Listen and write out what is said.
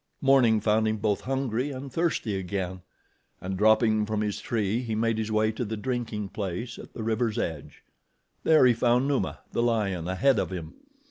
Morning found him both hungry and thirsty again, and dropping from his tree he made his way to the drinking place at the river's edge. There he found Numa, the lion, ahead of him.